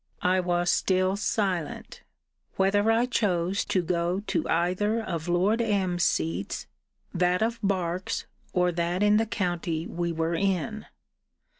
I was still silent. Whether I chose to go to either of Lord M.'s seats; that of Berks, or that in the county we were in?